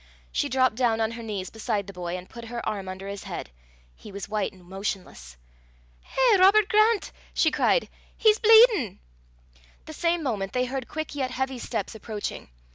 She dropt down on her knees beside the boy, and put her arm under his head. He was white and motionless. "Eh, Robert Grant!" she cried, "he's bleedin'." The same moment they heard quick yet heavy steps approaching.